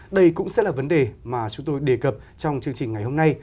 đây cũng sẽ là vấn đề mà chúng tôi đề cập trong chương trình ngày hôm nay